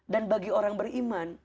dan bagi orang beriman